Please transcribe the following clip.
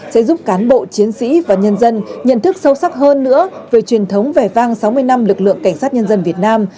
sẽ giúp cán bộ chiến sĩ và nhân dân nhận thức sâu sắc hơn nữa về truyền thống vẻ vang sáu mươi năm lực lượng cảnh sát nhân dân việt nam